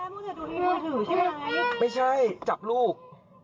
ไม่ใช่จับลูก